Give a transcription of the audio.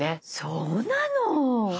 そうなの！